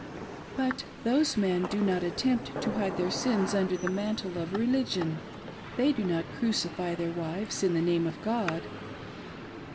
But those men do not attempt to hide their sins under the mantle of religion ; ^hey do not crucify tbeir wives in the name of God.